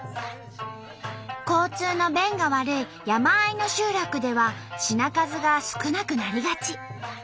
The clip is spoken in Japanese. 交通の便が悪い山あいの集落では品数が少なくなりがち。